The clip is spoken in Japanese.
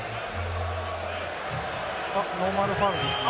ノーマルファウルですね。